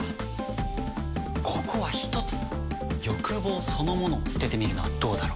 ここはひとつ欲望そのものを捨ててみるのはどうだろう？